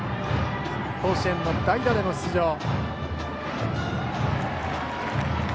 甲子園の代打での出場。